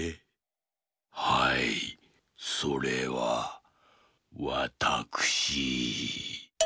はいそれはわたくしー。